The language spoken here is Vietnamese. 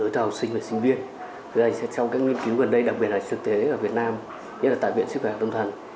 trong các nghiên cứu gần đây đặc biệt là thực tế ở việt nam nhất là tại viện sức khỏe tâm thần